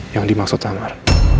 yang dimaksud amar